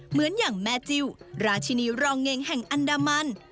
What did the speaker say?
เหมือนอย่างแม่จิ้วราชินีรองเงงแห่งอันดามัน